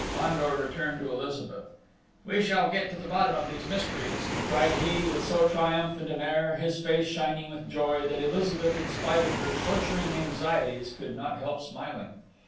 Fandor returned to Elizabeth. "We shall get to the bottom of these mysteries," cried he, with so triumphant an air, his face shining with joy, that Elizabeth, in spite of her torturing anxieties, could not help smiling.